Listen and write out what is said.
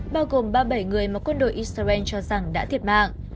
bao gồm ba mươi bảy người mà quân đội israel cho rằng đã thiệt mạng